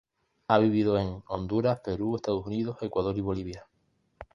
Ha vivido en Honduras, Perú, Estados Unidos, Ecuador y Bolivia.